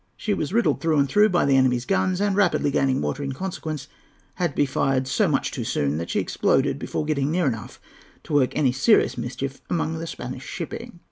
She was riddled through and through by the enemy's guns, and, rapidly gaining water in consequence, had to be fired so much too soon that she exploded before getting near enough to work any serious mischief among the Spanish shipping.